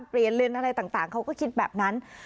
เปลี่ยนเลนส์อะไรต่างเขาก็คิดแบบนั้น